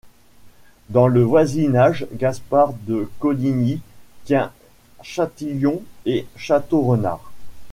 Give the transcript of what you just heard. Dans le voisinage, Gaspard de Coligny tient Châtillon et Château-Renard.